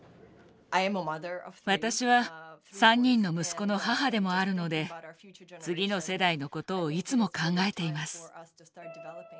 私は３人の息子の母でもあるので次の世代のことをいつも考えています。